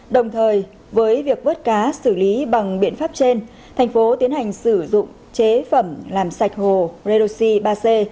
đồng thời với việc vớt cá xử lý bằng biện pháp trên thành phố tiến hành sử dụng chế phẩm làm sạch hồ redoxi ba c